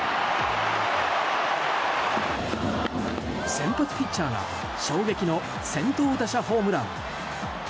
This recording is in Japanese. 先発ピッチャーが衝撃の先頭打者ホームラン。